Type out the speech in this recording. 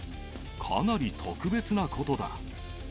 かなり特別なことだ。